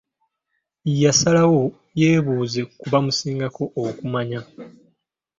Yasalawo yeebuuze ku bamusingako okumanya.